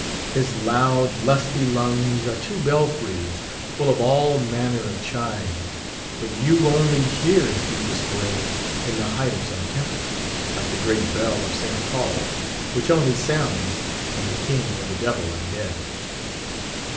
His loud, lusty lungs are two belfries, full of all manner of chimes; but you only hear his deepest bray, in the height of some tempest—like the great bell of St. Paul's, which only sounds when the King or the Devil is dead.